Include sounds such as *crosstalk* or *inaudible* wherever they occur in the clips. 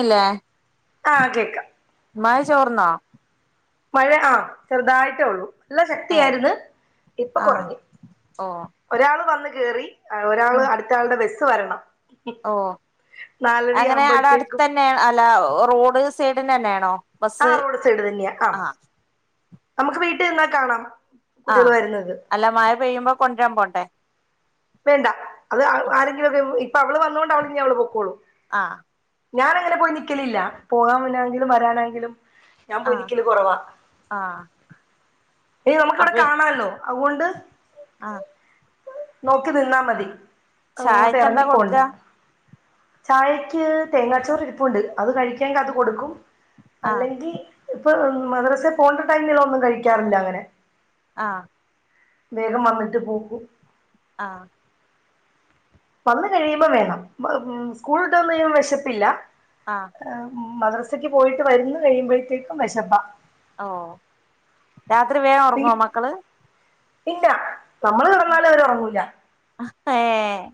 ഇല്ലേ? ആ കേക്കാം. മയി ചോറുന്നോ? മഴ ആ. ചെറുതായിട്ടേ ഉള്ളൂ നല്ല ഏ ശക്തിയായിരുന്നു ഇപ്പൊ ആ കുറഞ്ഞു ഓ ഒരാള് വന്ന് കേറി. ഒരാള് അടുത്ത ആളുടെ ബസ്സ് വരണം. ഓഹ് അങ്ങനെ അവിടെ അടുത്ത നാലരയാവുമ്പോഴത്തേക്കും തന്നെ അല്ല റോഡ് സൈഡിനെ തന്നെയാണോ? ബസ്സ് ആഹ് റോഡ് സൈഡ് തന്നെയാ ആഹ് ആ നമുക്ക് വീട്ടിൽ നിന്നാൽ കാണാം. കുട്ടികൾ ആഹ് വരുന്നത് അല്ല മഴ പെയ്യുമ്പോ കൊണ്ടുവരാൻ പോണ്ടേ. വേണ്ട അത് ആരെങ്കിലുമൊക്കെ ഇപ്പൊ അവള് വന്നോണ്ട് അവള് ഇനി അവള് പൊക്കോളും. ആഹ് ഞാൻ അങ്ങനെ പോയി നൽക്കലില്ല, പോകാൻ ആണെങ്കിലും വരാനാണെങ്കിലും. ഞാൻ ആ പോയി നിക്കല് കുറവാ, ആ അയ്യോ നമുക്ക് ഇവിടെ കാണാല്ലോ അതുകൊണ്ട്. ആഹ് നോക്കി നിന്നാൽ മതി അങ്ങോട്ട് ചായക്ക് എന്താ ഇറങ്ങി കൊടുക്ക പോവേണ്ട. ചായക്ക് തേങ്ങാച്ചോറ് ഇരിപ്പുണ്ട്, അത് കഴിക്കണമെങ്കിൽ അത് കൊടുക്കും. ആ അല്ലെങ്കിൽ ഇപ്പൊ മദ്രസ് പോണ്ടേ ടൈമിൽ ഒന്നും കഴിക്കാറില്ല അങ്ങനെ. ആഹ് വേഗം വന്നിട്ട് പോക്കും. ആഹ് വന്ന് കഴിയുമ്പോ വേണം ഏഹ് സ്കൂൾ വിട്ടു വന്നു കഴിയുമ്പോൾ വിശപ്പില്ല. ആഹ് മദ്രസക്ക് പോയിട്ട് വരുന്ന കഴിയുമ്പോഴത്തേക്കും വിശപ്പാ. ഓഹ് രാത്രി വേഗം ഉറങ്ങുവോ മക്കള്? ഇല്ല നമ്മള് കിടന്നാലും അവര് ഉറങ്ങൂല്ല. ആഹ് ഏഹ്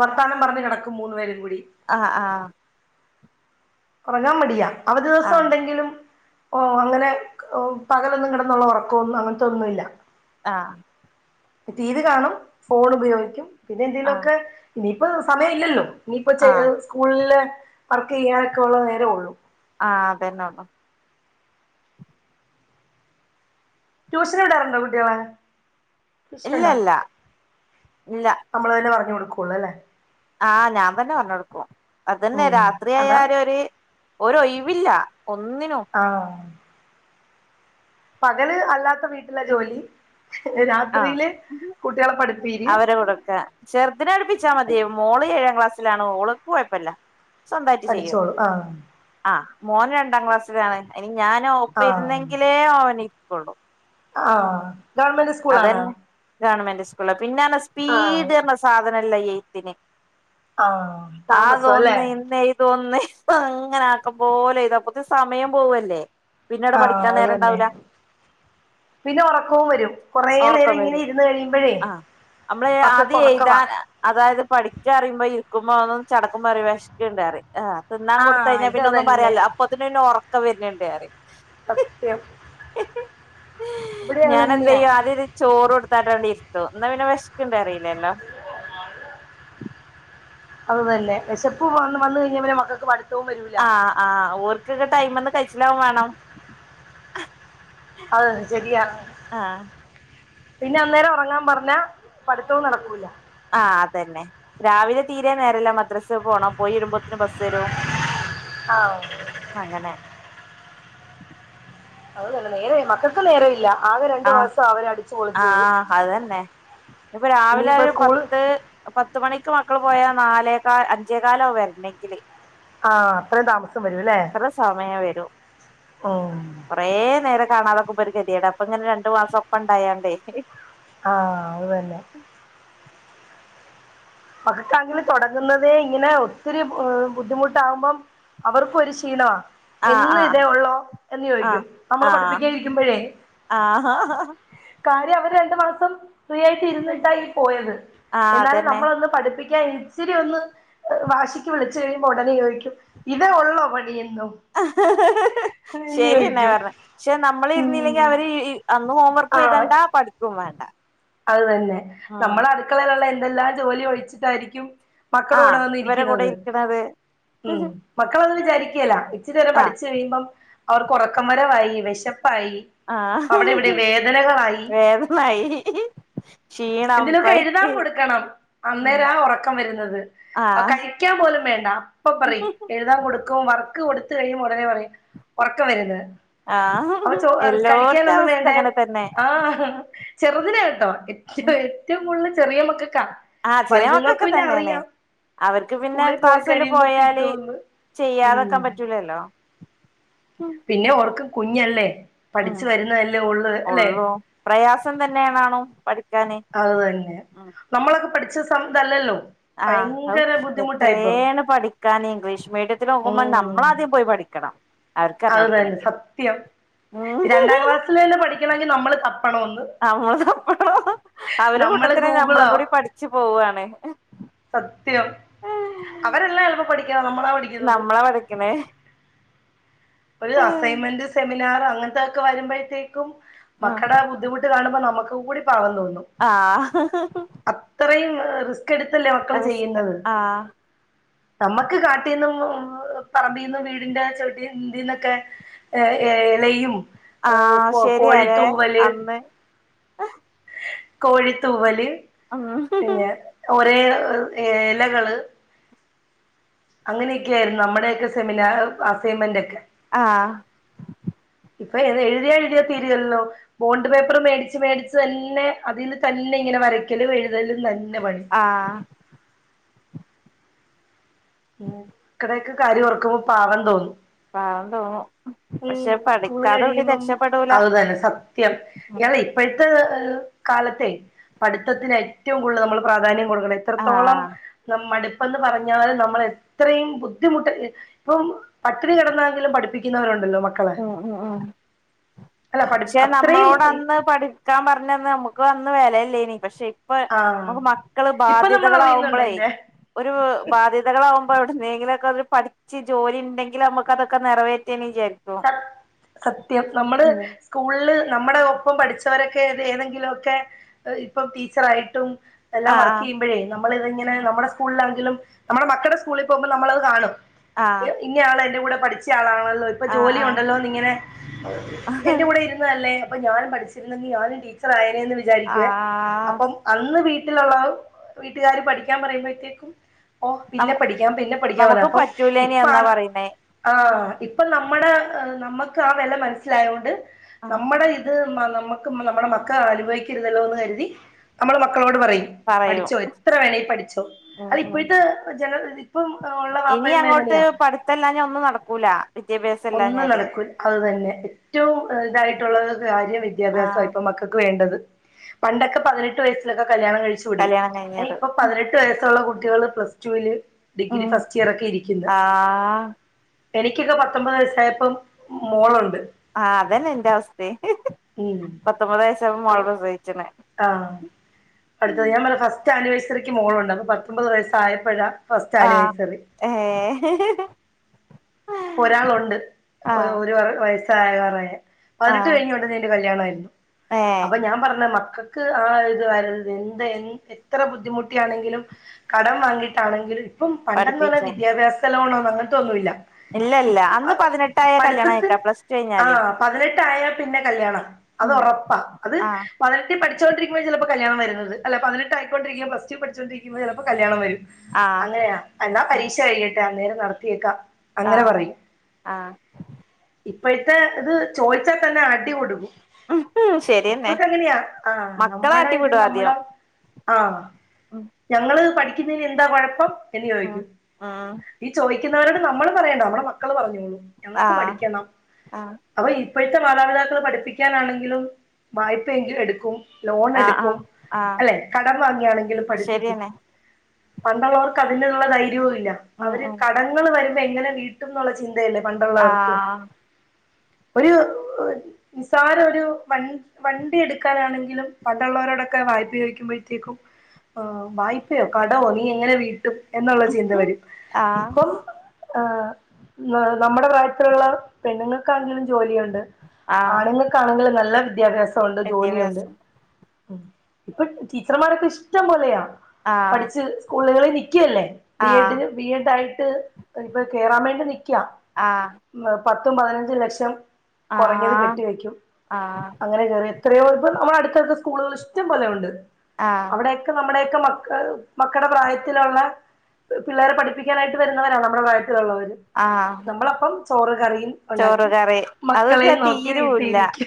വർത്താനം പറഞ്ഞു കിടക്കും മൂന്ന് പേരും കൂടി. ആഹ് ആഹ് ഉറങ്ങാൻ മടിയാ അവധി ആ ദിവസം ഉണ്ടെങ്കിലും. ഓഹ് അങ്ങനെ ഏഹ് പകലൊന്നും കിടന്നുള്ള ഉറക്കമൊന്നും അങ്ങനത്തെ ഒന്നുമല്ല. ആഹ് ടി വി കാണും, ഫോൺ ഉപയോഗിക്കും, പിന്നെ ആ എന്തെലുമൊക്കെ ഇനിയിപ്പം സമയം ഇല്ലല്ലോ. ഇനിയിപ്പോ ആ ചെ സ്കൂളില് വർക്ക് ചെയ്യാനൊക്കെ ഉള്ള നേരമേ ഉള്ളൂ. ആഹ് അതെന്നെ ഉള്ളൂ. ട്യൂഷൻ വിടാറുണ്ടോ കുട്ടികള് ട്യൂഷൻ ഇല്ല ഉണ്ടോ? ഇല്ല ഇല്ല നമ്മൾ തന്നെ പറഞ്ഞു കൊടുക്കുള്ളൂ അല്ലേ. ആഹ് ഞാൻ തന്നെ പറഞ്ഞു കൊടുക്കും, അതെന്നെ ഉം അതാ രാത്രിയായാൽ ഒരു. ഒരു ഒഴിവില്ല ഒന്നിനും. ആഹ് പകല് അല്ലാതെ വീട്ടില് ജോലി രാത്രിയില് കുട്ടികളെ പഠിപ്പീര്. കൊടുക്കാ ചെറുതിനെ പഠിപ്പിച്ചാൽ മതി മോള് ഏഴാം ക്ലാസ്സിലാണ് ഓൾക്ക് കുഴപ്പമില്ല. സ്വന്തമായിട്ട് ചെയ്യും, പഠിച്ചോളൂ ആഹ് ആഹ് മോന് രണ്ടാം ക്ലാസ്. അവൻ ഇനി ഞാൻ ഒപ്പം ആഹ് ഇരുന്നെങ്കിലേ അവന് ഇരിക്കൊള്ളൂ. ആഹ് ഗവൺമെന്റ് സ്കൂളാണോ അതെന്നെ ഗവൺമെന്റ് സ്കൂള് പിന്നെ അന്ന് ആഹ് സ്പീഡ് എന്നൊരു സാധനയില്ലേ എയ്ത്തിന്. ആഹ് അത് താമസം അല്ലേ ഒന്ന് ഇന്ന് ഈ. അതൊന്ന് ഇപ്പം അങ്ങനെ ആക്കാം പോലെ എഴുതാം, അപ്പോ സമയം പോവല്ലേ. പിന്നെ അവിടെ ആഹ് പഠിക്കാൻ അത് നേരം തന്നെ ഉണ്ടാവില്ല. പിന്നെ, ഉറക്കവും വരും കുറേ ഒറക്കം നേരം വരും ഇങ്ങനെ ഇരുന്ന് കഴിയുമ്പോഴേ ആഹ് നമ്മള് മക്കൾക്ക് ആദ്യം ഉറക്കമാ. എഴുതാൻ അതായത് പഠിക്ക അറിയുമ്പോ, ഇരിക്കുമ്പോ *unintelligible* ചടക്കും മ്പ പറയും വിശക്ണ്ട് പറയും. ആഹ്, തിന്നാൻ ആ കൊടുത്തഴിഞ്ഞാ ഇത് പിന്നെ ഒന്നും അതന്നെ പറയാല്ല. അപ്പൊത്തിന് പിന്നെ ഉറക്കം വരന്ണ്ട് പറയും. സത്യം. ഇവിടെ അതെന്നെയാ.. അത ചോറ് കൊടുത്താട്ടണ്ട ണ്ട് ഇരുത്തും, ന്നാ പിന്നെ വെശക്ണ്ട്ന്ന് പ റയില്ല ല്ലോ? അത് തന്നെ, വിശപ്പ് വന്ന് വന്ന കഴിഞ്ഞ പിന്നെ മക്കൾ ക്ക് പടി ആഹ്, ആഹ് ഓർക് ക്ക ടൈമ് ന്ന് കഴിച്ചിലാവും വേണം. അഹ്, ശരി യാണ്. ആഹ് പിന്നെ, അന്നേരം ഉറങ്ങാൻ പറഞ്ഞാ പഠിത്തവും നടക്കൂല. ആഹ്, അത ന്നെ രാവിലെ തീരെ നേരല്ല മദ്രാസ് പോണ പോയിരുമ്പോ തന്നെ ബസ് വരും. ആ അങ്ങനെ അത് തന്നെ, നേര മക്ക ക്കും നേരം ഇല്ല. ആഹ്, ആഹ് അത് തന്നെ. ഇന്ന് പ്പൊ രാവിലെ ഇനിയിപ്പോ ഒരു സ്കൂൾ പത്ത്. പത്തുമണിക്ക് മക്കള് പോയാ, നാലേക്കാ അഞ്ചേ കാലാവു വര്ന ങ്കില്. ആഹ്, അത്രയും താമസം വരൂ ല്ലേ? ഓ.. കുറേ നേരം കാണാതക്കുമ്പോ, ഒരു ഗതിയേടാ, അപ്പൊ ഇങ്ങനെ രണ്ടു മാസം ഒപ്പം ഇണ്ടായോ ണ്ടേ. ആഹ്, അതു തന്നെ. വഗ ക്കാണങ്കിൽ, തൊ ടങ്ങുന്നതേ ഇങ്ങനെ, ഒത്തിരി ബുദ്ധിമുട്ടാവുമ്പം. അവർക്കും ഒരു ക്ഷീണാ. ആഹ് എന്നും ആഹ് ഇതേ ഉള്ളോ? എന്ന് ചോയിക്കും. നമ്മള് പഠിപ്പിക്കാ ഇരിക്കുമ്പഴേ, ആ ഹാ ഹാ ഹ കാര്യം, അവര് രണ്ടു മാസം ഫ്രീ ആയിട്ട് ഇരുന്നിട്ടാ ഈ പോയത്. ആഹ് എന്നാലും അതന്നെ നമ്മളന്ന്. പഠിപ്പിക്കാൻ ഇച്ചിരി ഒന്ന് വാശിക്ക് വിളിച്ചു കഴിയുമ്പോ ഉടനെ ചോയിക്കും. ഇതേ ഉള്ളോ പണിയന്നും. ശരി എന്നെ പറഞ്ഞെ. പക്ഷെ നമ്മള് ഉം ഇരുന്നില്ലെങ്കിൽ അവര് അന്ന് ഹോം വർക്ക് ആ എഴുതുകയും, വേണ്ടാ പഠിക്കും വേണ്ട. അത് തന്നെ, ആഹ് നമ്മടെ അടുക്കളയിലുള്ള എന്തെല്ലാം ജോലി ഒഴിച്ചിട്ടായിരിക്കും. മക്കള കൂടെ ആഹ് വന്ന് ഇവരെ കൂടെ ഇരിക്ന്നത്. ഇരിക്കണത് ഉം മക്കളൊന്നു വിചാരികേല, ഇച്ചിരി വരെ ആഹ് പഠിച്ചു കഴിയുമ്പം, അവർക്ക് ഉറക്കം വരവായി വെശപ്പായി. ആഹ് അവിടെ ഇവിടെ വേദനകളായി. വേദനായി ക്ഷീണം എന്തലൊ ക്കെ എഴുതാൻ കൊയക്ക് കൊടുക്കണം. ഉം അന്നേരാ ഒറക്കം വരുന്നത്. ആഹ്, കഴിക്കാൻ പോലും വേണ്ട, അപ്പ പറയും. എല്ലാം കൊടുക്കും, വർക്ക് കൊടുത്കഴിയുമ്പോ, ഉടനെ പറയും. ഒറക്കം വര്ണ്ട്. ന്ന് ആഹ് അപ്പൊ, ചോ, എല്ലോട്ത്തെ കഴിക്കാനൊന്നും അവസ്ഥ വേണ്ടേ? അങ്ങനെ തന്നെ ആഹ് ചെറുതിനെ കേട്ടോ, ഏറ്റവും, ഏറ്റവും കൂടുതൽ ചെറിയ മക്ക ക്കാ. ആഹ് ചെറിയ വലുതുങ്ങൾക്ക് മക്കക്കെ പിന്നെ, തന്നെണ് അറിയാം. അവർക്ക് പിന്നെ സ്കൂളിൽ പോയി ക്ലാസ്സില് കഴിയുമ്പോ പോയാല് കിട്ടോന്ന്. ഉം ചെയ്യാതെക്കാൻ പറ്റൂലല്ലോ പിന്നെ, ഓൾക്ക് കുഞ്ഞല്ലേ. ഉം പഠിച്ചു വരുന്നതല്ലേ ഉള്ള്. അല്ലേ ഒള്ളൂ പ്രയാസം തന്നെയണാ ണോ പഠി അത്, തന്നെ, നമ്മളൊക്കെ പഠിച്ച സം ഇതല്ല ല്ലോ? ആഹ്, ഔ എത്രേണ് പഠിക്കാന്. ഇംഗ്ലീഷ് മീഡിയത്തിൽ നോക്കുമ്പോൾ, ഉം നമ്മളാദ്യം പോയി പഠിക്കണം. അവർക്ക് അത്, തന്നെ പറഞ്ഞൊടുക്കണെങ്കില് സത്യം. ഉം രണ്ടാം ക്ലാസ്സിലെന്നെ പഠിക്കണങ്കിൽ നമ്മള് തപ്പണം. ഒന്ന് നമ്മൾ തപ്പണം. അവര് നമ്മള് കൂട്ടത്തിനെ നമ്മളും ഗൂഗിളോ കൂടി പഠിച്ചു പോവാണ്. സത്യം അവരെല്ലാം എളുപ്പം പഠിക്കണത് നമ്മളാ പഠി നമ്മളാ പഠിക്കണെ ഒരു അസൈൻമെന്റ് സെമിനാർ അങ്ങനതൊ ക്കെ വരുമ്പഴത്തേക്കും ഉം മക്കടെ ആ ബുദ്ധിമുട്ട് കാണുമ്പോ നമുക്ക് കൂടി പാവം തോന്നും ആഹ് അത്രയും റിസ്ക് എടുത്തല്ലേ മക്കള് റിസ്ക് ചെയ്യുന്നത് ആഹ് നമ്മക്ക് കാട്ടീ ന്നും പറമ്പീന്നു വീടിന്റെ ചെവി ട്ടി ഇന്ത്യന്നൊക്കെ എ, എലയും ഏഹ് ആഹ് കോ, ശരിയാലേ കോഴിത്തൂവല് അന്ന് കോഴിത്തൂവല് ഉം പിന്നെ ഒരേ ഏലകള് അങ്ങനെയൊക്കെയായിരുന്നു നമ്മടെയൊക്കെ സെമിനാർ അസൈൻമെന്റ് ഒക്കെ ആഹ് ഇപ്പൊ ഇരുന്ന് എഴുതിയ എഴുതിയ തീരികേലല്ലോ ബോണ്ട് പേപ്പർ മേടിച്ച് മേടിച്ച് തന്നെ അതിൽ തന്നെ ഇങ്ങനെ വരക്കലും എഴുതലും തന്നെ പണി ആഹ് ഇക്കടൊക്കെ കാര്യം ഓർക്കുമ്പോ പാവം തോന്നും പാവം തോന്നും ഉം പക്ഷെ സ്കൂള് പഠിക്കാതെ എവിടേം കഴിയുമ്പം രക്ഷപ്പെടൂല അതുതന്നെ സ സത്യം ഇയാള് ഇപ്പോഴത്തെ കാലത്തെ പഠിത്തത്തിന് ഏറ്റവും കൂടുതൽ നമ്മൾ പ്രാധാന്യം കൊടുക്കണം എത്രത്തോളം ആഹ് ന മടുപ്പന്ന് പറഞ്ഞാലും നമ്മ മ്മള് എത്രയും ബുദ്ധിമുട്ട് ഇപ്പം പട്ടിണി കിടന്നാെങ്കിലും പഠിപ്പിക്കുന്നവരുണ്ടല്ലോ മ ആഹ് അഹ് അല്ല പഠി പക്ഷെ അത്രയും നമ്മളോട് അന്ന് പഠി ക്കാൻ പറഞ്ഞ അന്ന് നമുക്ക് അന്ന് വിലയില്ലേ ഇനി പക്ഷേ ഇപ്പ ആഹ് നമുക്ക് മക്കള് ഇപ്പൊ നമ്മൾ അറിയുന്നുണ്ടോ ബാധ്യതകളാവുമ്പോളേ അതിന്റെ ഒരു ബാധ്യതകളാകുമ്പോൾ എവിടുന്നെങ്കിലും ഒക്കെ അവര് പഠി ച്ച് ജോലി ഉണ്ടെങ്കിൽ നമുക്കതൊക്കെ നിറവേറ്റേന്ന് വിചാരിക്കും സത് സത്യം നമ്മള് ഉം സ്കൂളില് നമ്മുടെ ഒപ്പം പഠിച്ചവരൊക്കെ ഏതെങ്കിലുമൊക്കെ ഇപ്പം ടീച്ചറായിട്ടും എല്ലാം വർക്ക് ആഹ് ചെയ്യുമ്പോഴേ നമ്മളിത്ങ്ങനെ നമ്മുടെ സ്കൂളിലാെങ്കിലും നമ്മുടെ മക്കളുടെ സ്കൂളിൽ പോകുമ്പോൾ നമ്മളത് കാണും ആ ഇന്ന ആള് എൻ്റെ കൂടെ പഠിച്ച ആളാണല്ലോ ഇപ്പോൾ ആഹ് ജോലി ആഹ് ഉണ്ടല്ലോന്ന് ഇങ്ങനെ ആഹ് എന്റെ കൂടെ ഇരുന്നതല്ലേ അപ്പൊ ഞാനും പഠിച്ചിരുന്നെങ്കിൽ ഞാനും ടീച്ചർ ആയനേന്ന് വി വിചാരിക്കുവെ ആഹ് അപ്പം അന്ന് വീട്ടിലുള്ളോ വീട്ടുകാര് പഠിക്കാൻ പറയുമ്പോഴേത്തേക്കും ഓ നം പിന്നെ പഠിക്കാം പിന്നെ പഠിക്കാൻ പറ നമുക്ക് അപ്പം പറ്റൂലേനി ഇപ്പൊ എന്നാ പറയുന്നേ ആ ആ ഇപ്പൊ നമ്മുടെ നമ്മുക്ക് ആ വില മനസ്സിലായോണ്ട് ആഹ് നമ്മുടെ ഇത് ക്കുമ്പാ നമ്മുക്ക് നമ്മുടെ മക്ക അനുഭവിക്കരുതാല്ലോ എന്ന് കരുതി നമ്മുള് മക്കളോട് പറയും പറയൂ പഠിച്ചോ എത്ര വേണേൽ പഠിച്ചോ ഉം അത് ഉം ഇപ്പോഴത്തെ ജന ഇപ്പം ഉള്ള വാപ്പയും മ്മയും എങ്ങനെയാ ത്തന്നാനെ ഒന്നും നടക്കൂല വിദ്യാഭ്യാസം ഒന്നും ഇല്ലാഞ്ഞാല് നടക്കുൽ അത് ഉം തന്നെ ഏറ്റവും ഇതായിട്ടുള്ളത് കാര്യം വിദ്യാഭ്യാസവ ആഹ് ഇപ്പം മക്ക് ക്കക്ക് വേണ്ടത് പണ്ടൊക്കെ പതിനെട്ട് വയസ്സിലൊക്കെ കല്യാണം കഴിച്ചു വിടും കല്യാണം കഴിഞ്ഞത് ഇപ്പൊ പതിനെട്ട് ട്ടു വയസ്സുള്ള കുട്ടികള് പ്ലസ് ടുവിൽ ഡിഗ്രി ഉം ഫസ്റ്റ് ഇയർ ഒക്കെ ഇരിക്കുന്നത് ആഹ് ക്കെക്കോ പത്തൊമ്പത് വയസ്സായപ്പം മോളുണ്ട് ആഹ് അതന്നെ എന്റെ അവസ്ഥയും ഉം പത്തൊമ്പത് വയ്സായപ്പോ അപ്പൊ മോളെ പ്രസയ്ച്ച്ണ് ആഹ് അടുത്തത് ഞാൻ പറയ ഫസ്റ്റ് ആനിവേഴ്സറിക്ക് മോളുണ്ട് അപ്പൊ പത്തൊമ്പത് വയസ്സ് ആയപ്പഴ ആഹ് ഏഹ് പ്പൊ ഒരാളുണ്ട് ഓ ആഹ് ഒര് വയ്സ് *unintelligible* പതിനെട്ട് ആഹ് കഴിഞ്ഞുടനെ എന്റെ കല്യാണായിരുന്നു ഏഹ് അപ്പൊ ഞാൻ പറഞ്ഞന്താ മക്കക്ക് ആഹ് ഇത് വരര്ത് എന്ത്‌ എന്ന് എത്ര ബുദ്ധിമുട്ടിയാണെങ്കിലും കടം വാങ്ങിയിട്ടാണെങ്കിലും ഇപ്പം പണ്ടെന്ന് പറഞ്ഞാ പഠിപ്പിച്ചോ വിദ്യാഭ്യാസ ലോണോന്ന അങ്ങനത്തൊന്നുല്ല ഇല്ല ഇല്ല ഇപ്പ അന്ന് പതിനെട്ടായ കല്യാണം കഴിക്കാ പഠിത്തത്തിന് പ്ലസ് ടു കഴിഞ്ഞാല് ആഹ് പതിനെട്ടായ പിന്നെ കല്യാണം അത് ഉം ഉറപ്പാ അത് ആഹ് പതിനെട്ടിൽ പഠിച്ചുകണ്ടിരിക്കുമ്പോ ചെലപ്പോൾ കല്യാണം വരുന്നത് അല്ല പതിനെട്ടയി ക്കൊണ്ടരിക്കെ പ്സ് ടു പഠിച്ചുകൊണ്ടരിക്കുമ്പോ ചെലപ്പോ കല്യാണം വരും ആഹ് അങ്ങനെയാ എന്നാ പരീക്ഷ കഴിയട്ടെ അന്നേരം നടത്തിയേക്കാം അങ്ങനെ ആഹ് പറയും ആഹ് ഇപ്പോഴത്തെ ഇത് ചോദിച്ചാൽ തന്നെ അടി കൊടുക്കും ഉം ശരിയെന്നെ ഇപ്പൊക്ക എങ്ങനെയാ ആഹ് മക്കളെ നമ്മുടെ ഇത് ആട്ടിവിടും നമ്മുടെ ആദ്യം ആഹ് ഉം ഞങ്ങള് പഠിക്കുന്നതിന് എന്താ കൊഴപ്പം എന്നാ ഉം ചോയ്ക്കും ഉം ഈ ചോദിക്കുന്നവരോട് നമ്മൾ പറയണ്ട നമ്മടെ മക്കള് പറഞ്ഞോളും ഞങ്ങക്ക് ആഹ് പഠിക്കണം ആഹ് അപ്പൊ ഇപ്പഴത്തെ മാതാപിതാക്കൾ പഠിപ്പിക്കാനാണെങ്കിലും വായ്പ എങ്കിലും എടുക്കും ലോണ് ആഹ് എടുക്കും ആഹ് ആഹ് അല്ലെ കടമ് വാങ്ങിയാണെങ്കിലും പഠിപ്പിക്കും ശരിയെന്നെ പണ്ടുള്ളൊർക്ക് അതിനുള്ള ധൈര്യവും ഇല്ല ഉം അവര് ഉം കടങ്ങൾ വരുമ്പോ എങ്ങനെ വീട്ടും ന്നുള്ള ചിന്ത ചിന്തെണ് പണ്ടുള്ളവർക്ക് ആഹ് ഒരു നിസാര ഒരു വൻ വണ്ടി എടുക്കാൻ വണ്ടിയെടുക്കാനാണെങ്കിലും പണ്ടുള്ളവരോടൊക്കെ വായ്പചോദിക്കുമ്പഴത്തേക്കും ആഹ് വായ്പയോ കടോ നീ എങ്ങനെ വീട്ടും എന്നുള്ള ചിന്ത വരും ആഹ് ഇപ്പം ആഹ് നമ്മുടെ പ്രായത്തിലുള്ള പെണ്ണുങ്ങൾക്കാ ണെങ്കിലും ജോലിയുണ്ട് ആഹ് ആണുങ്ങക്കാണെങ്കിലും നല്ല വിദ്യാഭ്യാസമുണ്ട് ജോലിയുണ്ട് വിദ്യാഭ്യാസം ഉം ഇപ്പൊ ടീച്ചർമാരൊക്കെ ഇഷ്ടം പോലെയാ ആഹ് പഠിച്ച് സ്കൂളുകളിൽ നൽക്കുവല്ലേ ബി ആഹ് എഡിന് ബി എ ഡായിട്ട് ഇപ്പൊ കേയറാൻ വേണ്ടി നിക്കാ ആഹ് പത്തും പതിനഞ്ചും ലക്ഷം കൊറഞ്ഞത് ആഹ് കെട്ടി വെക്കും ആഹ് അങ്ങനെ കേയറിയത ഇത്രയോപ്പം നമ്മുടെ അടുത്തടുത്ത സ്കൂളുകള് ഇഷ്ടം പോലെയുണ്ട് ആഹ് അവിടെയൊക്കെ നമ്മുടെയൊക്കെ മക്കള് മക്കടെ പ്രായത്തിലുള്ള പിള്ളേരെ പഠിപ്പിക്കാനായിട്ട് വര്ന്നവരാ നമ്മുടെ പ്രായത്തിലുള്ളവര് ആഹ് നമ്മളപ്പം ചോറ് കറിയും ചോറ് ഉണ്ടാക്കി കറി അതൊക്കെ മക്കളെയും നോക്കി തീരൂല്ല വീട്ടിരിക്ക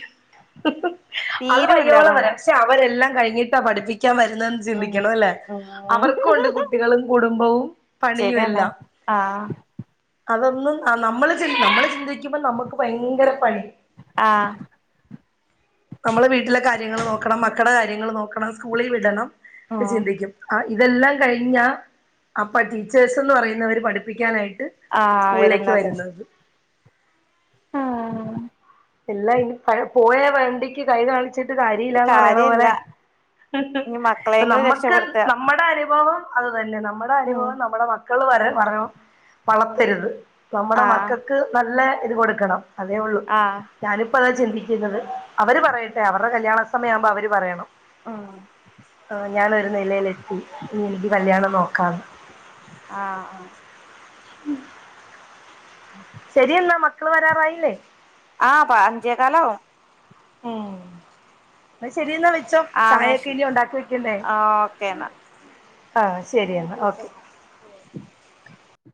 അത് തീരൂല്ല പയ്യോളം പറയ അതൊന്നും പക്ഷെ അവരെല്ലാം കഴിഞ്ഞിട്ടാ പഠിപ്പിക്കാൻ വരുന്നന്ന് ഉം ചിന്തിക്കണോലെ ഉം അവർക്കുണ്ട് കുട്ടി കുട്ടികളും കുടുംബവും പണിയും ശരിയെന്നെ എല്ലാം ആഹ് അതൊന്നും നമ്മള് ചെയ്യില്ല നമ്മൾ ചിന്തിക്കുമ്പോൾ നമ്മ്ക്ക് ഭയങ്കര പണി ആഹ് നമ്മെള്ളെ വീട്ടിലെ കാര്യങ്ങൾ നോക്കണം മക്കുടെ കാര്യങ്ങൾ നോക്കണം സ്കൂളിൽ വിടണം ഒക്കെ ഉം ചിന്തിക്കും ആണ് ഇതെല്ലാം കഴിഞ്ഞാ അപ്പ ടീച്ചേഴ്സ് എന്ന് പറയുന്നവര് പഠിപ്പിക്കാനായിട്ട് സ്കൂളിലേക്ക് വരുന്നത് ആഹ് എല്ലാ ഇനി പഴ പോയ വണ്ടിക്ക് കൈ കാണിച്ചി ട്ട് കാര്യ ഒരു ഇല്ലാന്ന് പറയ്ണ പോലെ, കാര്യല്ല ഇനി ഇപ്പ മക്കളെയെങ്കിലും നമ്മക്ക് രക്ഷപ്പെടുത്തുക നമ്മടെ അനുഭവം അത് തന്നെ നമ്മുടെ ഉം അനുഭവം നമ്മുടെ മക്കള് വര വരൾ വളർത്തരുത്. നമ്മുടെ ആഹ് മക്കൾ ക്ക് നല്ല ഇത് കൊടുക്കണം. അതേ ഒള്ളൂ. ആഹ് ഞാന്പ്പ അതാ ചിന്തിക്ക്ന്നത്. അവര് പറയട്ടെ അവരുടെ കല്യാണ സമയയാവുമ്പോ അവര് പറയണം. ആഹ് ആഹ് ഞാനൊരു നിലേലെത്തി, ഇനി എനിക്ക് കല്യാണം നോക്കാം. ആഹ് ആഹ് രെരി എന്നാ മക്കള് വരാറായില്ലേ? ആഹ് പ അഞ്ചേ കാലാവും. ഉം ന്നാ ശരിയെന്നാ വെ ച്ചൊ, ആഹ് എന്നാ ചായൊക്കെ ശരി ഇനി ഉണ്ടാക്കി വെക്കണ്ടേ? ഓക്കെ എന്നാ ആഹ് ശരിയെന്നാ ഓക്കെ. *inaudible*